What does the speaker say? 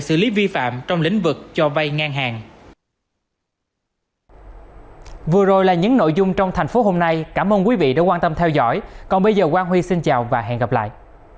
cảm ơn các bạn đã theo dõi và hẹn gặp lại